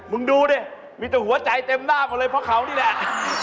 ดูดิมีแต่หัวใจเต็มหน้าหมดเลยเพราะเขานี่แหละ